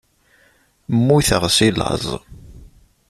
Mmuteɣ si laẓ.